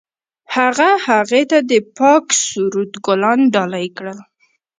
هغه هغې ته د پاک سرود ګلان ډالۍ هم کړل.